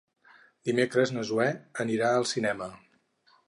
Dimecres na Zoè anirà al cinema.